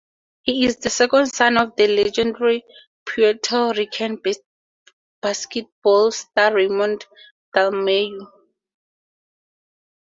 He is the second son of the legendary Puerto Rican basketball star Raymond Dalmau.